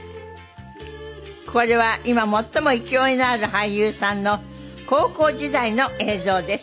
これは今最も勢いのある俳優さんの高校時代の映像です。